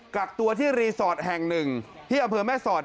กักตัวที่รีสอร์ทแห่งหนึ่งที่อำเภอแม่สอด